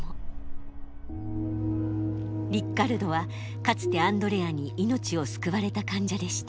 リッカルドはかつてアンドレアに命を救われた患者でした。